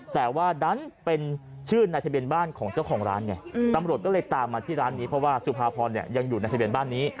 แต่ว่าดันเป็นชื่อในทะเบียนบ้านของเจ้าของร้านไงตำรวจก็เลยตามมาที่ร้านนี้เพราะว่าสุภาพรยังอยู่ในทะเบียนบ้านนี้